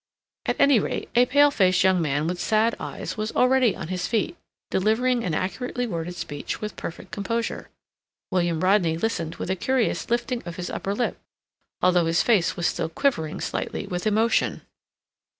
At any rate, a pale faced young man with sad eyes was already on his feet, delivering an accurately worded speech with perfect composure. William Rodney listened with a curious lifting of his upper lip, although his face was still quivering slightly with emotion.